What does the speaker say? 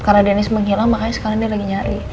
karena dennis menghilang makanya sekarang dia lagi nyari